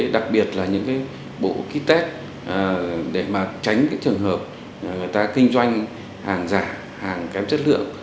đặc biệt là những bộ kit test để mà tránh cái trường hợp người ta kinh doanh hàng giả hàng kém chất lượng